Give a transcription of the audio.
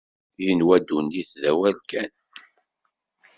Inwa ddunit d awal kan.